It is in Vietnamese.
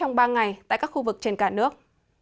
ba ngày tại các khu vực trên cả nước